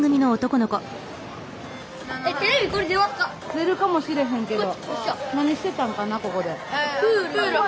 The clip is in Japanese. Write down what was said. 出るかもしれへんけど。